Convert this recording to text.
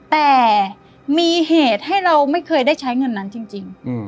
แต่มีเหตุให้เราไม่เคยได้ใช้เงินนั้นจริง